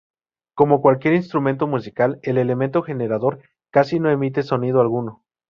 Como cualquier instrumento musical, el elemento generador casi no emite sonido alguno.